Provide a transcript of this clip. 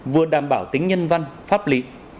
vừa đảm bảo tính nhân văn pháp lý